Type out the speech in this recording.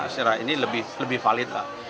secara ini lebih valid lah